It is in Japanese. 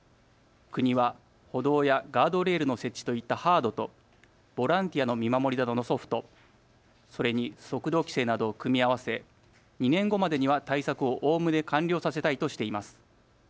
国は歩道やガードレールの設置といったハードとボランティアの見守りなどのソフト、それに速度規制などを組み合わせ、２年後までには対策をおおむね完了させたいとしています。